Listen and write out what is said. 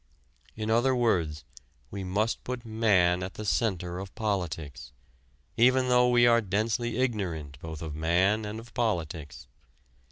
In other words, we must put man at the center of politics, even though we are densely ignorant both of man and of politics.